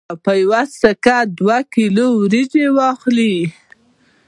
که په یوه سکه یو کیلو وریجې واخلو